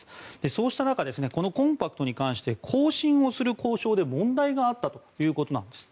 そうした中、コンパクトに関して更新をする交渉で問題があったということです。